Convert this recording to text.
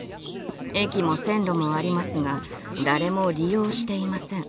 駅も線路もありますが誰も利用していません。